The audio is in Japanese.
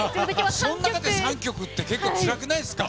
その中で３曲って結構つらくないですか？